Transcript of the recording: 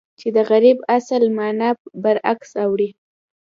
چې د غیرت اصل مانا پر برعکس اوړي.